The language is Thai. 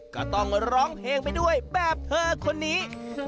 ก็ต้องร้องเพลงไปด้วยแบบเธอคนนี้